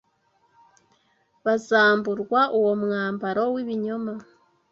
bazamburwa uwo mwambaro w’ibinyoma